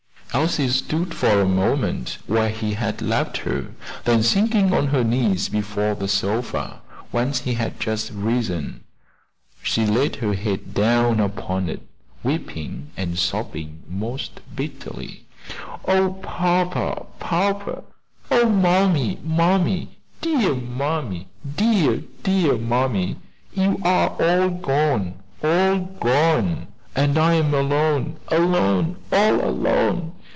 Elsie stood for a moment where he had left her, then sinking on her knees before the sofa, whence he had just risen, she laid her head down upon it, weeping and sobbing most bitterly, "Oh! papa, papa! oh, mammy, mammy, dear, dear mammy! you are all gone, all gone! and I am alone! alone! all alone!